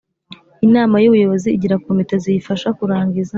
Inama y Ubuyobozi igira Komite ziyifasha kurangiza